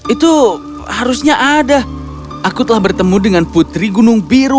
itu harusnya ada aku telah bertemu dengan putri gunung biru